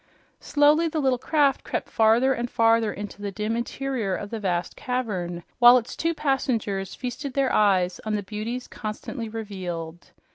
Slowly the little craft crept farther and farther into the dim interior of the vast cavern, while its two passengers feasted their eyes on the beauties constantly revealed.